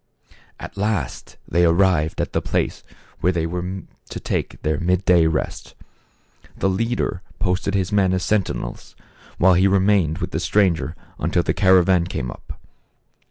At last they arrived at the place where they were to take their mid day rest. The leader posted his men as sentinels, while he remained with the stranger until the caravan came up.